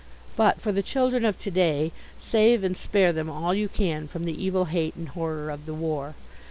But for the children of To day, save and spare them all you can from the evil hate and horror of the war.